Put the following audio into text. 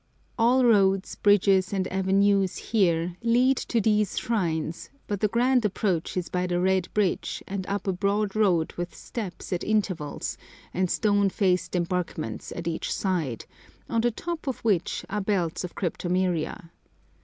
All roads, bridges, and avenues here lead to these shrines, but the grand approach is by the Red Bridge, and up a broad road with steps at intervals and stone faced embankments at each side, on the top of which are belts of cryptomeria.